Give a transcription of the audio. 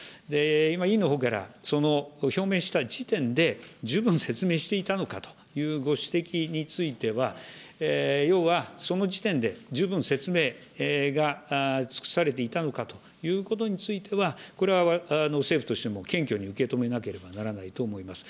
今、委員のほうから、その表明した時点で、十分説明していたのかというご指摘については、要は、その時点で十分説明が尽くされていたのかということについては、これは政府としても謙虚に受け止めなければならないと思います。